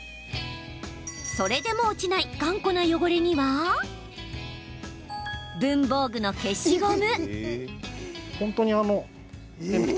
それでも落ちない頑固な汚れには文房具の消しゴム。